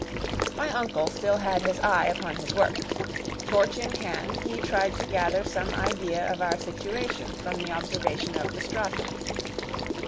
My uncle still had his eye upon his work. Torch in hand, he tried to gather some idea of our situation from the observation of the strata.